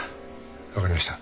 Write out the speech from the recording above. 分かりました。